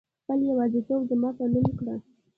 خپل يوازيتوب زما په نوم کړه